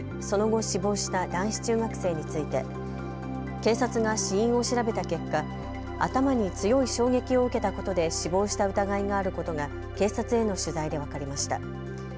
その後、死亡した男子中学生について警察が死因を調べた結果、頭に強い衝撃を受けたことで死亡した疑いがあることが警察への取材で分かりました。